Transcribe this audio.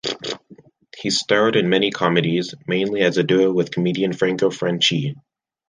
He starred in many comedies, mainly as a duo with comedian Franco Franchi.